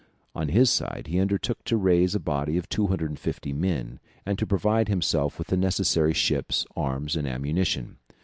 On his side he undertook to raise a body of 250 men, and to provide himself with the necessary ships, arms, and ammunition.